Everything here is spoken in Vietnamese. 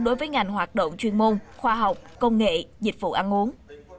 đối với ngành hoạt động chuyên môn khoa học công nghệ dịch vụ ăn uống